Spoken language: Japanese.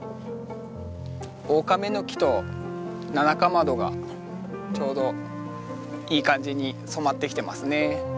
オオカメノキとナナカマドがちょうどいい感じに染まってきてますね。